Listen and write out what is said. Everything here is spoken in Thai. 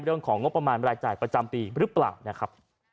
เรื่องของงบประมาณรายจ่ายประจำปีหรือเปล่านะครับ